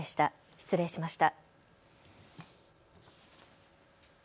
失礼しました。